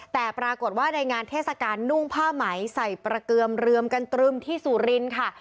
แต่ปรากฏว่าในงานเทศกาลนุ่งผ้าไหมใส่ประเกือมเรือมกันตรึมที่สุรินทร์ค่ะ